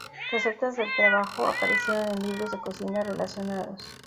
Recetas del trabajo aparecieron en libros de cocina relacionados.